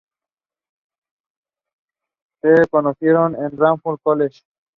This event was called the "Disaster of Curalaba" by the Spaniards.